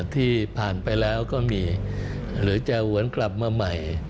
ที่ผ่านไปแล้วก็มีหรือจะหวนกลับมาใหม่